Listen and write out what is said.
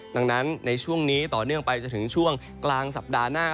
ดังนั้นในช่วงนี้ต่อเนื่องไปจนถึงช่วงกลางสัปดาห์หน้า